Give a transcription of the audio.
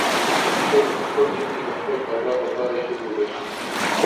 ښځه په خپل زړه کې د خپل اولاد لپاره هیلې لري.